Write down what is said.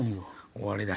終わりだ。